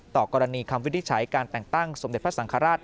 ต่อกรณีคำวินิจฉัยการแต่งตั้งสมเด็จพระสังฆราช